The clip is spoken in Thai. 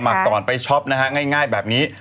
สมัครตอนไปช้อปนะฮะง่ายแบบนี้